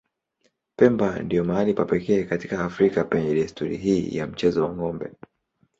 Pemba ndipo mahali pa pekee katika Afrika penye desturi hii ya mchezo wa ng'ombe.